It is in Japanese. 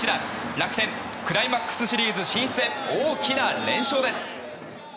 楽天クライマックスシリーズ進出へ大きな連勝です。